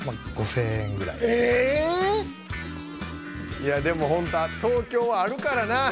⁉いやでもほんと東京はあるからな。